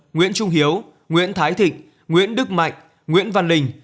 nguyễn trung hiếu nguyễn thái thịnh nguyễn đức mạnh nguyễn văn linh